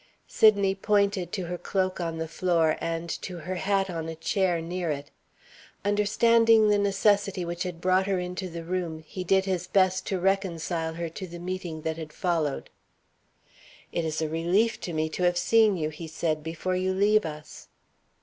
Sydney pointed to her cloak on the floor, and to her hat on a chair near it. Understanding the necessity which had brought her into the room, he did his best to reconcile her to the meeting that had followed. "It's a relief to me to have seen you," he said, "before you leave us."